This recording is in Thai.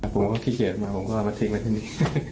ผมก็ขี้เกียจมาผมก็เอามาทิ้งไว้ที่นี่